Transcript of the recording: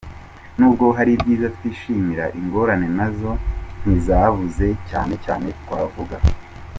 N’ubwo hari ibyiza twishimira, ingorane nazo ntizabuze, cyane cyane twavuga: